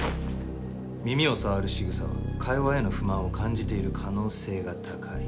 耳を触るしぐさは会話への不満を感じている可能性が高い。